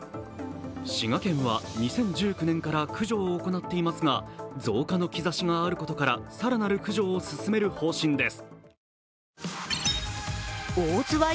滋賀県は２０１９年から駆除を行っていますが、増加の兆しがあることから更なる駆除を進める方針です。